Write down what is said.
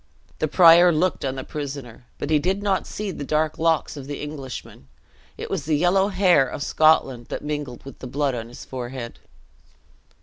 The prior looked on the prisoner, but he did not see the dark locks of the Englishman; it was the yellow hair of Scotland that mingled with the blood on his forehead.